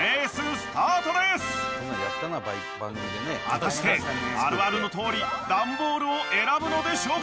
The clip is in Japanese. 果たしてあるあるのとおりダンボールを選ぶのでしょうか？